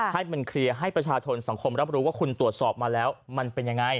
ให้มันเคลียร์ให้ประชาชนสังคมรับรู้ว่าคุณตรวจสอบมาแล้วมันเป็นยังไง